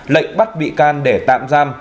lệnh bắt bị can để tạm giam